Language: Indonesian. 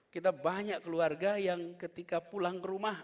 kita banyak keluarga yang ketika pulang ke rumah